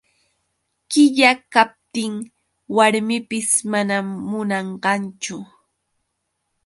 Qilla kaptin warmipis manam munanqachu.